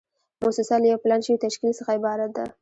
موسسه له یو پلان شوي تشکیل څخه عبارت ده.